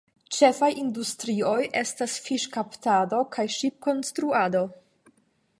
Ĉefaj industrioj estas fiŝkaptado kaj ŝipkonstruado.